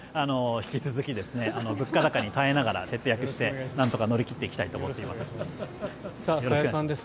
引き続き、物価高に耐えながら節約してなんとか乗り切っていきたいと思っています。